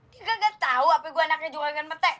tiga gak tau tapi gue anaknya juga inget metek